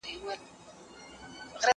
هغه څوک چي قلمان پاکوي روغ وي،